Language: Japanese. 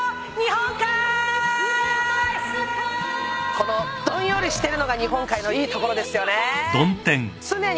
このどんよりしてるのが日本海のいいところですよね。